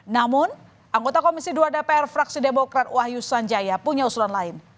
namun anggota komisi dua dpr fraksi demokrat wahyu sanjaya punya usulan lain